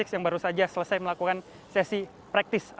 yang baru saja selesai melakukan sesi praktis